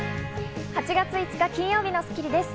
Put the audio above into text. ８月５日、金曜日の『スッキリ』です。